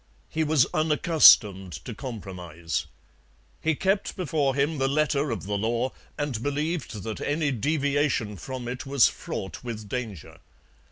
He was unaccustomed to compromise. He kept before him the letter of the law, and believed that any deviation from it was fraught with danger.